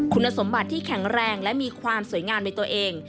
คุณสมบัติที่แข็งแรงและมีความสวยงามในตัวเอง